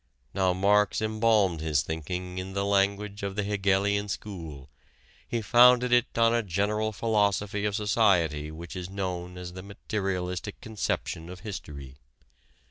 Now Marx embalmed his thinking in the language of the Hegelian school. He founded it on a general philosophy of society which is known as the materialistic conception of history.